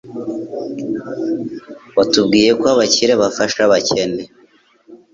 Watubwiye ko abakire bafasha abakene,